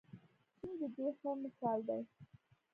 چین د دې ښه مثال دی.